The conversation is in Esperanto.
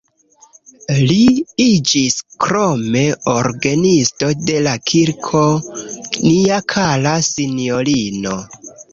Li iĝis krome orgenisto de la Kirko Nia kara sinjorino.